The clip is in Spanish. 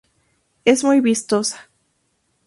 Es muy vistosa.